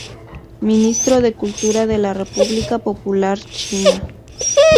Ministro de Cultura de la República Popular China.